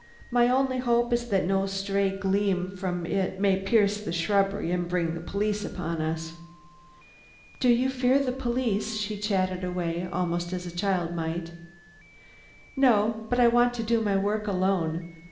My only hope is that no stray gleam from it may pierce the shrubbery and bring the police upon us." "Do you fear the police?" she chatted away, almost as a child might. "No; but I want to do my work alone.